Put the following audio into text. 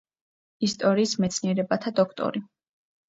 ისტორიის მეცნიერებათა დოქტორი.